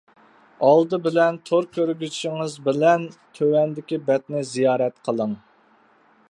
ئالدى بىلەن تور كۆرگۈچىڭىز بىلەن تۆۋەندىكى بەتنى زىيارەت قىلىڭ.